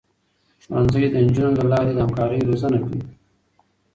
ښوونځی د نجونو له لارې همکاري روزنه کوي.